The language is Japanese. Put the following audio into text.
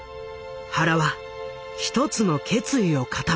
原は一つの決意を固める。